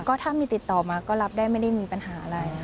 ก็ถ้ามีติดต่อมาก็รับได้ไม่ได้มีปัญหาอะไร